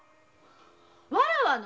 わらわの？